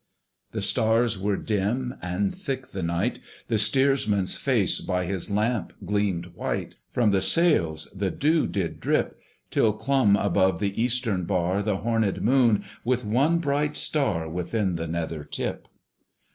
The stars were dim, and thick the night, The steersman's face by his lamp gleamed white; From the sails the dew did drip Till clombe above the eastern bar The horned Moon, with one bright star Within the nether tip.